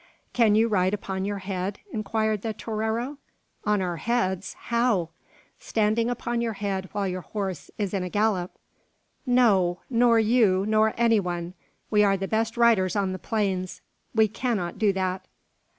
"Can you ride upon your head?" inquired the torero. "On our heads? How?" "Standing upon your head while your horse is in a gallop." "No; nor you, nor anyone. We are the best riders on the plains; we cannot do that."